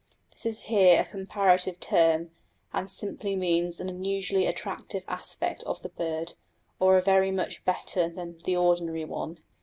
This is here a comparative term, and simply means an unusually attractive aspect of the bird, or a very much better than the ordinary one.